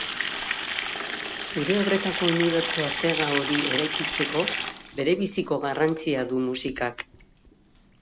Zure obretako unibertso artega hori eraikitzeko, berebiziko garrantzia du musikak.